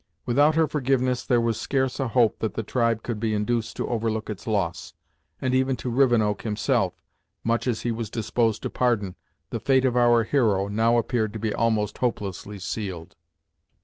Without her forgiveness, there was scarce a hope that the tribe could be induced to overlook its loss, and even to Rivenoak, himself, much as he was disposed to pardon, the fate of our hero now appeared to be almost hopelessly sealed.